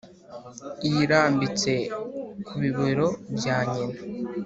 iyirambitse ku bibero bya nyina.